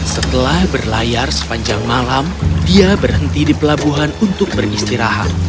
setelah berlayar sepanjang malam dia berhenti di pelabuhan untuk beristirahat